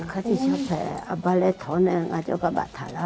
ข้าจะชอบแผ่อับบาลเทาเนี่ยงั้นจะกระบะทาระ